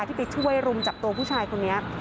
ที่ไปช่วยรุมจับตัวผู้ชายคนนี้